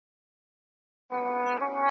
کاظم خان شیدا کارولي دي .